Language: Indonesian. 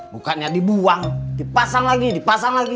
bukannya dibuang dipasang lagi dipasang lagi